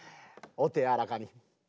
お手柔らかに。